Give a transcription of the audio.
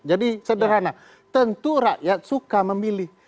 jadi sederhana tentu rakyat suka memilih